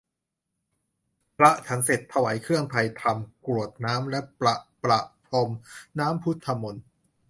พระฉันเสร็จ ถวายเครื่องไทยธรรม กรวดน้ำและพระประพรมน้ำพุทธมนต์